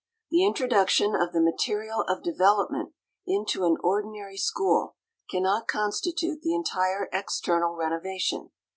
The introduction of the "material of development" into an ordinary school cannot constitute the entire external renovation.